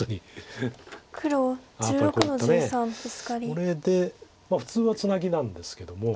これで普通はツナギなんですけども。